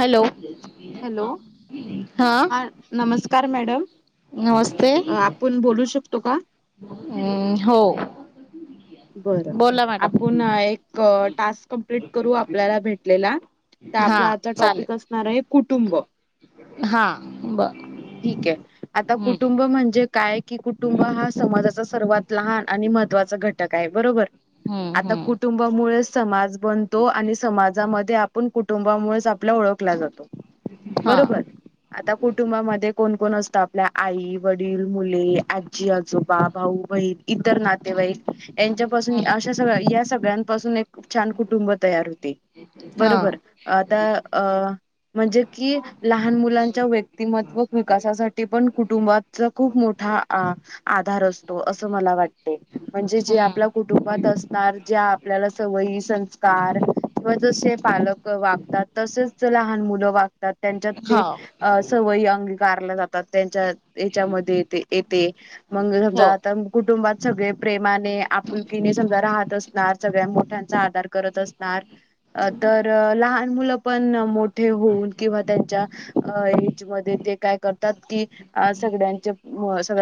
Hello. Hello हा. नमस्कार madam नमस्ते आपण बोलू शकतो. का? हम्म हो.. बर बोला मॅडम आपण एक टास्क कम्प्लीट करू आपल्याला भेटलेला.. तर हा आपला आजचा टॉपिक चालेल असणार आहे कुटुंब... हा बर ठीक आहे आता हम्म कुटुंब म्हणजे... काय आहे की कुटुंब हा समाजाचा सर्वात लहान आणि महत्त्वाचा घटक आहे बरोबर. हम्म आता हम्म कुटुंबामुळे समाज बनतो आणि समाजामध्ये आप.. आपण कुटुंबामुळेच आपला ओळखला जातो हा बरोबर... आता कुटुंबामध्ये कोण कोण असत? आपल्या आई- वडील, मुले, आजी-आजोबा, भाऊ- बहीण.... इतर नातेवाईक यांच्यापासून हम्म अशा सगळ्या सगळ्यांपासून एक.. छान कुटुंब तयार होते हा बरोबर आता अ... म्हणजे कि लहान मुलांच्या व्यक्तिमत्व विकासासाठी पण कुटुंबात... खूप मोठा आधार असतो असं मला वाटते म्हणजे जे आपल्या हम्म कु... असणार ज्या आपल्याला सवयी संस्कार किंवा जसे पालक... वागतात तसेच लहान मुलं वागतात त्यांच्यात ते हो सवयी अंगीकारला जातात.... त्यांच्या याच्यामध्ये येते मग हो समजा आता कुटुंबात सगळे... प्रेमाने आपुलकीने समजा राहत असणार सगळ्यां मोठ्यांचा आदार करत असणार... तर लहान मुलं... पण मोठे होऊन किंवा त्यांच्या एज मध्ये ते काय करतात. कि.... अ सगळ्यांचे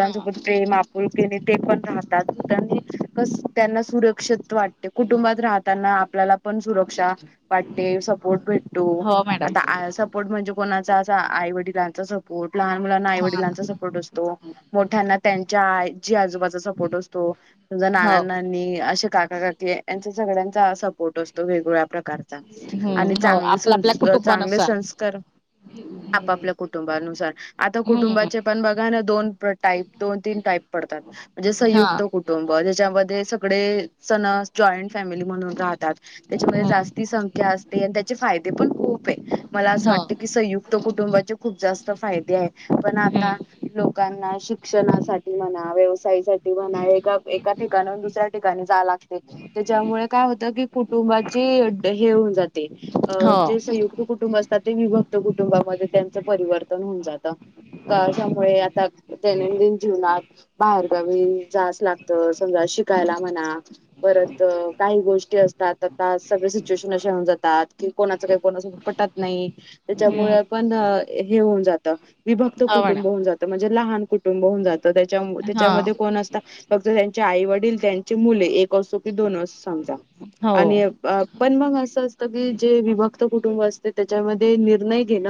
हा प्रेम आपुलकिने ते पण राहतात. त्यांना सुरक्षित वाटते कुटुंबात राहताना. आपल्याला पण सुरक्षा.. वाटते सपोर्ट भेटतो हो मॅडम आता सपोर्ट म्हणजे कोणाचा अस आई वडिलांचा सपो... ट लहान मुलांना आई हा वडिलांचा सपोर्ट असतो. मोठ्यांना त्यांच्या आजी आजोबाचा सपोर्ट असतो... त तुझा हो नानांना असे काका काकी यांचा सगळ्यांचा सपोर्ट असतो. वेगवेगळ्या प्रकार... आणि हम्म हो चांगले आपल्या सं आपल्या चांगले कुटुंबानुसार संस्कार.. आपापल्या कुटुंबानुसार... आता हम्म कुटुंबाचे पण बघा ना दोन टाईप दोन तीन टाईप पडतात म्हणजे हा संयुक्त.... कुटुंब ज्याच्यामध्ये सगळे सणस जॉईंट फॅमिली म्हणून राहतात.... त्याच्यामध्ये हम्म जास्ती संख्या असते आणि त्याचे फायदे पण खूप आहे मला असं हो वाटत..... संयुक्त कुटुंबाचे... खूप जास्त फायदे आहे. पण हम्म आता लोकांना शिक्षणासाठी म्हणा व्यवसायासाठी नाही ए एका ठिकाण दुसऱ्या.... ठिका जा लागते त्याच्यामुळे काय होतं कि कुटुंबाची हे होऊन जाते.... हो जे संयुक्त कुटुंब... ते विभक्त कुटुंबामध्ये त्यांचं परिवर्तन होऊन जातं.... अशामुळे आता दैनंदिन जीवनात बाहेर गावी जायला लागत समजा शिकायला म्हणा.... परत काही गोष्टी असतात आता सगळे सिच्युएशन असे होऊन जातात.... कि कोणाचं काही कोणास पटत नाही हम्म त्याच्यामुळे पण हे होऊन जात... विभक्त हो कुटुंब मॅडम होऊन जातं म्हणजे लहान कुटुंब होऊन जातं त्याच्या हा त्याच्यामध्ये कोण फक्त त्यांच्या आई वडील त्यांचे मुले... कसोपी दोनच समजा हो आणि... पण मग असं असतं की जे विभक्त कुटुंब असते त्याच्यामध्ये निर्णय घेण...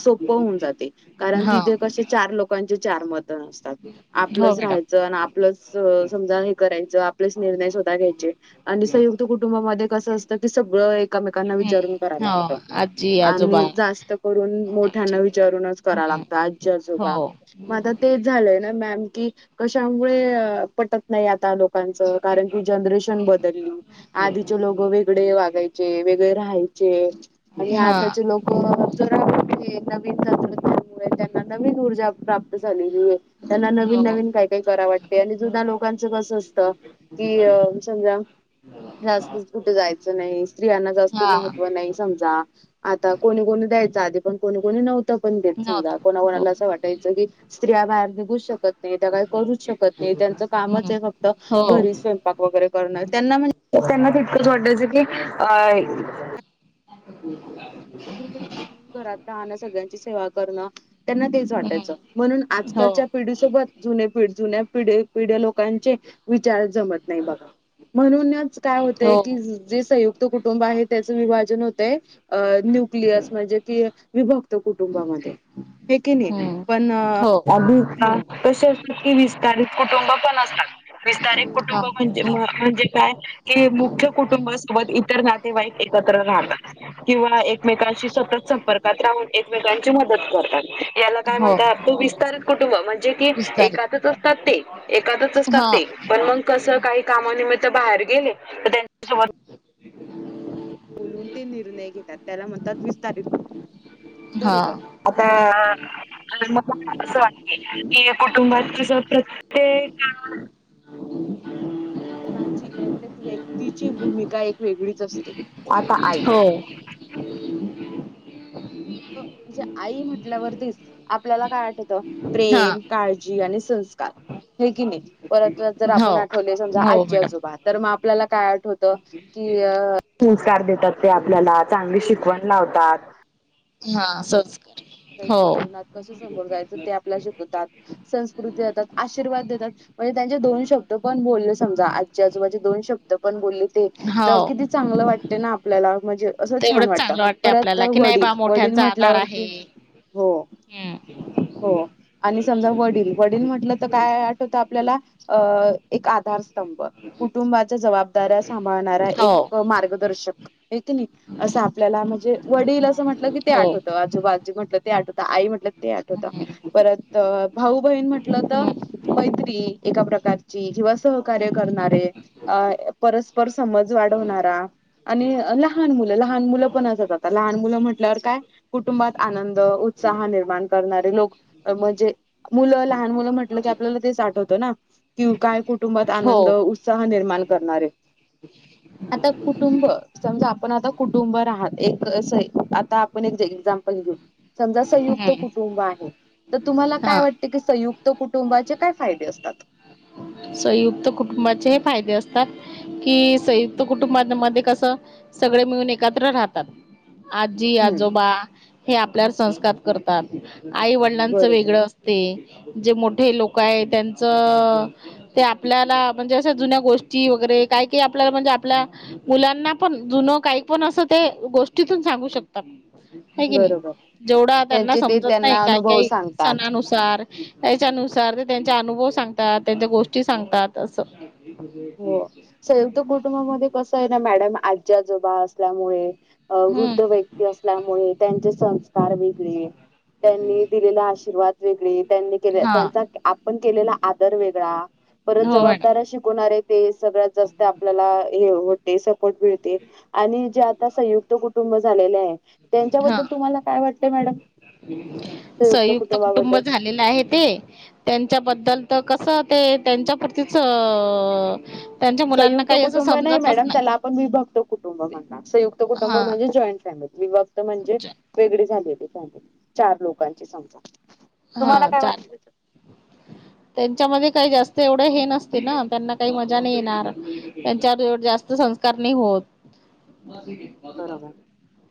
सोप होऊन जाते कारण हा तिथे कसे चार लोकांचे चार मत नते... हो आपलंच मॅडम राहायचं आपलंच समजा हे करायचं आपल्याच निर्णय य आणि संयुक्त कुटुंबामध्ये कसं असतं की सगळं... एकमेकांना विचारून कराव हम्म हो लागतं... आजी आणि आजोबा जास्त करून नाही मोठ्यांना विचारत. विचारूनच कराव हम्म लागतं आजच्या जगात हो मग आता तेच झालंय ना मॅम की कशामुळे पटक... नाही आता लोकांचं कारण की जनरेशन बदलली आधीचे लोक वेगळे वागायचे वेगळे राहायचे आणि हा आताचे लोक अ जरा नवीन तंत्रज्ञामुळे त्यांना नवीन ऊर्जा प्राप्त झालेली आहे त्यांना नवीन हो नवीन काय काय करा वाटते आणि जुना लोकांचं कस असत की अ समजा जास्तच कुठे जायचं नाही स्त्रियांना जास्त हा महत्त्व नाही समजा आता कोणी कोणी द्यायच आधी पण कोणी कोणी नव्हत. पण देत नव्हत समजा कोणा हो कोणाला असं वाटायचं की स्त्रिया बाहेर निघू शकत नाही. त्या का करूच शकत नाही त्यांचं कामच हम्म आहे फक्त हो घरी स्य क वगैरे करणार त्यांना म्हणज त्यांनाच इतकंच वाटायचं की अ [unintelligible] गरु काही म थोडासा राह सगळ्यांची सेवा करण त्यांना तेच वाटायचं हम्म म्हणून हो आजकालच्या पिढी सोबत जुने पिढी जुन्या पिढ पिढ्या लोकांचे विचार जमत नाही बघा म्हणूनच काय होतय हो की जे संयुक्त तो कुटुंब आहे त्याचं विभाजन होतंय न्युक्लिअस म्हणजे कि विभक्त कुटुंबामध्ये हे की नाही पण हम्म हो अध का कसे असतात की विस्तारित कुटुंब पण असतात विस्तार हा कुटुंब म्हण म्हणजे काय कि मुख्य कुटुंबासोबत इतर नातेवाईक एकत्र राहत किंवा एक एकमेकांशी सतत संपर्कात राहून एकमेकांची मदत करतात याला काय हो म्हणतात त विस्तार कुटुंब म्हणजे कि विस्तारित एकातच असतात ते एातच असतात हा ते पण मग कसं काही कामानिमित्त बाहेर गेले तर त्यांच्यासोबत बोलून ते निर्णय घेतात त्याला म्हणतात वीस तारीख हा बरोबर आता म वा कुटुबातस प्रत्येक प्रत्येक व्यक्तीची भूमिका एक वेगळीच असते आता आई हो म्हणजे आई म्हटल्यावरतीच आपल्याला काय आठवतं हा प्रेम काळजी आणि संस्कार हे की नाही परत जर हो आपण आठवले समजा हो आज मॅडम आजोबात तर मग आपल्याला काय आठवतं की अ संस्कार देतात ते आपल्याला चांगली शिकवण लावतात हा स च जीवनात कसं समोर जायचं ते आपल्याला शिकवतात संस्कृती देतात आशीर्वाद देतात म्हणजे त्यांचे दोन शब्द पण बोलले समज आज आजूबाचे दोन शब्द पण बोलले ते हो तर किती चांगलं वाटते ना आपल्याला म्हणजे असं छान तेवढंच वाटत चांगलं वाटते परत आपल्याला की नाही बा वडील वडील मोठ्यांचा आधार आहे म्हटल्यावरती हो हम्म हो आणि समजा वडील वडील म्हटलं तर काय आपल्याला एक आधार कुटुंबाच्या जबाबदाऱ्या सांभाळणारा हो एक मार्गदर्शक एक नाही असं आपल्याला म्हणजे वडील असं म्हटलं की ते हो आठवतं आजूबाज म्हटलं ते आठवत आई म्हटलं ते आठवत हम्म परत भाऊ बहीण म्हंटलं तर हम्म मैत्री एका प्रकारची किंवा सहकार्य करणारे अ परस्पर समज वाढवणारा आणि लहान मुलं लहान मुलं पण असत आता लहान मुलं म्हटल्यावर काय? कुटुंबात आनंद उत्साह निर्माण करणारे लोक म्हणजे मुलं लहान मुलं म्हंटलं की आपल्याला ते आठवतं ना कि काय कुटुंबात हो आनंद उत्साह निर्माण करणारे आता कुटुंब संघ आपण आता कुटुंब राहात एक आता आपण एक एक्झाम्पल घेऊ समजा संयुक्त हम्म कुटुंब आहे तर तुम्हाला हा काय वाट ते संयुक्त कुटुंबाचे काय फायदे असतात? संयुक्त कुटुंबाचे हे फायदे असतात कि संयुक्त कुटुंबामध्ये कसं सगळे मिळून एकत्र राहतात आजी हम्म आजोबा हे आपल्यावर संस्कार करतात आई वडिलांचं बरोबर वेगळं ते जे मोठे लोक आहे त्यांचं ते आपल्याला म्हणजे अशा जुन्या गोष्टी वगैरे काय काही आपल्याला म्हणजे आपल्या मुलांना पण जुनं काही पण असं ते गोष्टीतून सांगू शकतात ह की नाही बरोबर जेवढा त्यांना त्यांचे ते समजत नाही त्यांना काही अनुभव काही सांगतात क्षणानुसार त्याच्यानुसार ते त्यांचे अनुभव सांगतात. त्यांच्या गोष्टी सांगतात असं, हो संयुक्त कुटुंबामध्ये कस आहे ना मॅडम आजी आजोबा असल्यामुळे अ वृद्ध हम्म व्यक्ती असल्यामुळे त्यांचे संस्कार वेगळे त्यांनी दिलेला आशीर्वाद वेगळी त्यांनी केले हा त्यांचा आपण केलेला आदर वेगळा परत हो मॅडम जबाबदार शिकवणारे ते सगळ्यात जास्त आपल्याला हे ते सपोर्ट मिळते आणि जे आता संयुक्त कुटुंब झालेले आहे. हा त्यांच्याबद्दल तुम्हाला काय वाटत मॅडम? संयुक्त कुटुंब झालेलं आहे ते, त्यांच्याबद्दल तर कसं ते त्यांच्यापरतीच संयुक्त कुटुंब नाही मॅडम त्याला आपण विभक्त कुटुंब म्हण संयुक्त कुटुंब हा म्हणजे जॉईंट फॅमिली विभक्त म्हणजे वेगळी झाली त चार लोकांची समजा हा तुम्हाला काय चालले [unintelligible] त्यांच्यामध्ये काही जास्त एवढे हे नसते ना त्यांना काही मज्जा नाही येणार त्यांच्यावर एवढी जास्त करणे होत बरोबर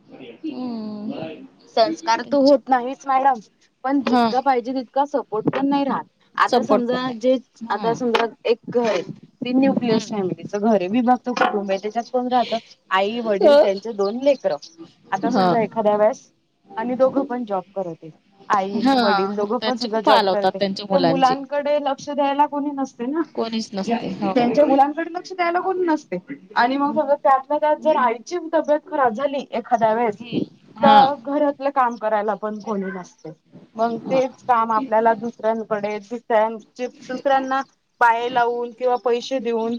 हं संस्कार तर होत नाहीच मॅडम पण हा जितका पाहिजे तितका सपोर्ट पण नाही राहत आता सपोर्ट समजा पण जे नाही आता हम्म समजा एक घर तीन न्यूक्लिअस फॅमिलीचं घर विभक्त कुटुंब आहे त्याच्यात कोण राहत? आई, वडील त्यांचे हम्म दोन लेकर आता हा समजा एखाद्या वेळेस आणि दोघं पण जॉब करतात आई वडील हा दोघं पण त्यांचे सुद्धा खूप जॉब हाल होतात करतात त्यांच्या तर मुलां मुलांचे लक्ष द्यायला कोणी न कोणीच नसते हो त्याच्या मुलांकडे लक्ष द्यायलाच कोणी नसतय त्यात त्या आईची तब्येत खराब झाली एखाद्या वेळेस हा तर घरातलं काम करायला पण कोणी जास्त मग हा तेच काम आपल्याला दुसऱ्यांकडे दुसऱ्यांना पाय लावून किंवा पैसे देऊन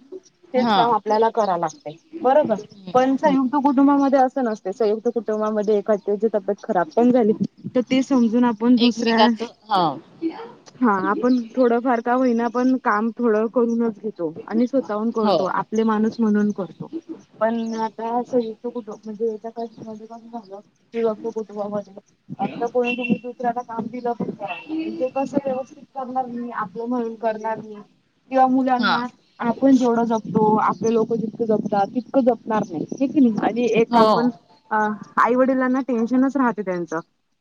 हेच हा काम, आपल्याला करायाला लागते बरोबर, पण हम्म संयुक्त कुटुंबामध्ये असं नसते संयुक्त कुटुंबामध्ये एखाद्यायचे खराब पण झाली तर ते समजून आपण दुसऱ्या, एकमेकांच हा हा आपण थोडंफार का होईना पण काम थोडं करूनच घेत. आणि स्वतःहून हो करतो आपले माणूस म्हणून करतो. पण आता असं येतो कुठं म्हणजे याच्या कस झालं. कुटुंब आता को तुम्ही दुसऱ्याला काम दिलं पण करा ते कसं व्यवस्थित, करणार मी आपलं म्हणून करणार मी, किंवा हा मुलांना आपण जेवढं जपतो आपले लोक जितकं जपतात तितक जपणार नाही की आणि एक हो आपण आई वडिलांना टेन्शनच राहते त्यांच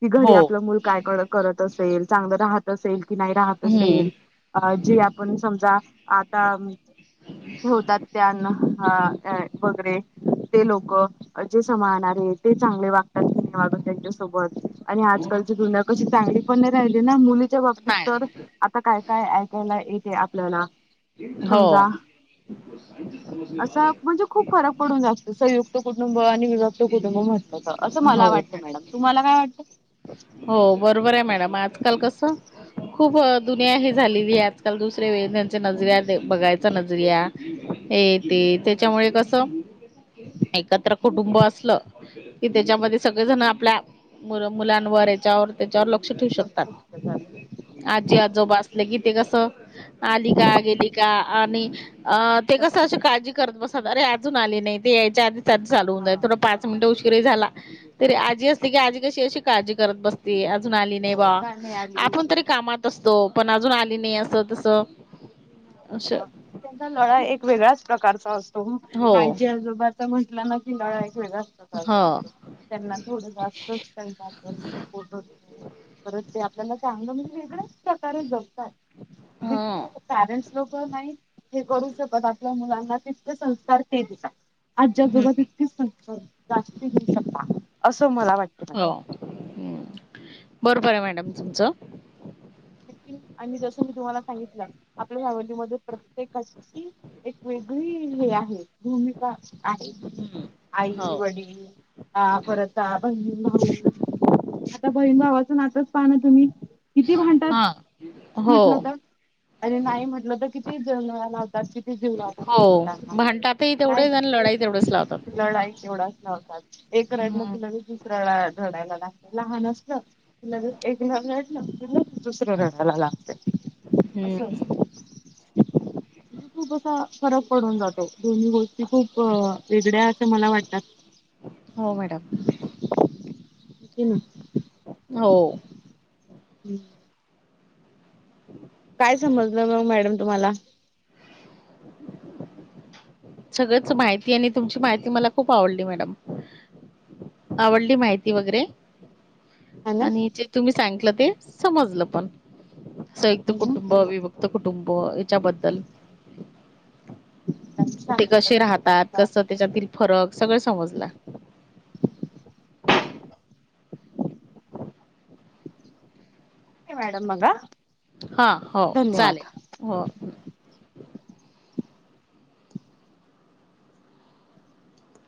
की घरी हो आपलं मुल काय करत असेल चांगल राहत असेल. की नाही राहत हम्म असेल अ जे आपण समजा आता ठेवतात त्यांना वगैरे ते लोक, जे सांभाळणारे ते चांगले वागतात, की वागत त्यांच्या सोबत आणि आजकालची दुनिया कशी चांगली पण नाही राहिली ना मुली च्या बाबतीत तर नाही आता काय काय ऐकायला येते आपल्याला, हो समजा असं म्हणजे खूप फरक पडून जगत संयुक्त कुटुंब आणि विभक्त कुटुंब म्हटलं असं मला हो वाटतं मॅडम तुम्हाला काय वाटतं? हो बरोबर आहे मॅडम आजकाल कस खूप दुनिया हे झालेली आहे. आजकाल दुसरे वे त्यांच्या नजर बघायचा नजरिया हे ते त्याच्यामुळे कस एकत्र कुटुंब असलं की त्याच्यामध्ये सगळेजण आपल्या मुल मुलांवर याच्यावर त्याच्यावर लक्ष ठेवू शकतात. लक्ष दिलं जात आजी आजोबा असले कि ते कस आली का गेली का आणि अ ते कसं अशी लक्ष काळजी करत बसत अरे अजून आली नाही ते यायच्या आधी, त्यात चालू होऊन हा जाईल, थोडा पाच मिनिटं उशीर झाला तरी आजी असते, की आजी कशी अशी काळजी करत बसते. अजून आली नाही हो बा का नाही आली आपण तरी, कामात असतो पण अजून आली नाही असं तस, आणि त्यांचा लळा एक वेगळ्याच प्रकारचा असतो. हो आजी आजोबा आता म्हटलं ना की लळा एक वेगळा असतो हो त्यांना थोडं जास्त, त्याचा पण सपोर्ट होतो. परत ते आपल्याला चांगल म्हणुन वेगळं प्रकारे जपतात. जे हो ते कारण लोक नाही हे करू शकत आपल्या मुलांना तितके संस्कार ते देतात. आजच्या जगात हम्म इतकीच संख्या जास्त घेऊ शकता असं मला वाटते. हम् बरोबर आहे मॅडम तुमचं, आणि जस मी तुम्हाला सांगितलं आपल्या फॅमिलीमध्ये प्रत्येकाची एक वेगळी हे आहे भूमिका आहे हम्म आई हो वडील, हा परत आ बहीण भाऊ आता बहीण भावाचं नातच पाह ना तुम्ही, किती हा भांडतात हो म्हटलं तर अरे नाही म्हटलं तर किती जन्माला, किती जीव लावलाना त्यांनी हो त्यांना भांडतातही नाही तेवढेच आणि लढाई तेवढेच लावतात. लढाई केवढाच नव्हता एका हम्म रडला कि लगेच दुस त रडायला लागला लहान असलं तिला एक रडल दुसर रडायला लागते अस, हम्म खूप असा फरक पडून जातो दोन्ही गोष्टी खूप वेगळ्या असं मला वाटतात हो मॅडम, [unintelligible] हो हम् हम् काय समजलं मग मॅडम तुम्हाला सगळंच माहिती आणि तुमची माहिती मला खूप आवडली मॅडम आवडली माहिती वगैरे ह ना आणि तुम्ही सांगलं ते समजलं पण संयुक्त कुटुंब अविभत कुटुंब याच्याबद्दल ते सांगितलं कसे राहता त कस त्याच्यातील फरक सगळं समजला ठेवते मॅडम मग हा हा हो चालेल हो